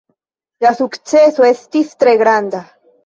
La sukceso estis tre granda.